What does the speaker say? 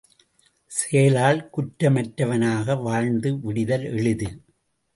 செயலால் குற்றமற்றவனாக வாழ்ந்து விடுதல் எளிது.